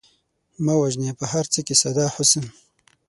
مه وژنئ په هر څه کې ساده حسن